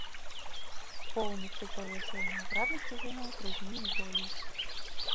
Поўны цыкл вясельнай абраднасці займаў тры дні і болей.